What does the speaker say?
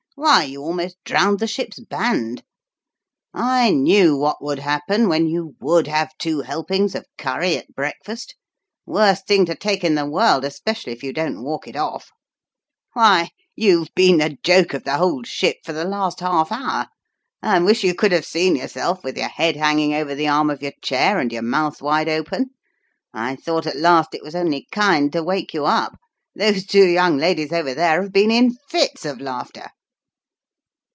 Why, you almost drowned the ship's band ! I knew what would happen when you would have two helpings of curry at breakfast. Worst thing to take in the world, especially if you don't walk it off ! Denouement. 187 "Why, you've been the joke of the whole ship for the last half hour. I wish you could have seen yourself, with your head hanging over the arm of your chair and your mouth wide open ! I thought at last it was only kind to wake you up. Those two young ladies over there have been in fits of laughter